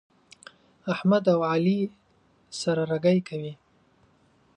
احمد او علي سره رګی کوي.